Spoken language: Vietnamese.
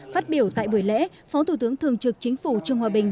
phát biểu tại buổi lễ phó thủ tướng thường trực chính phủ trương hòa bình